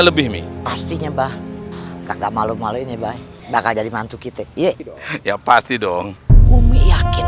lebih nih pastinya bang kakak malu malu ini bang bakal jadi mantu kita ya pasti dong umi yakin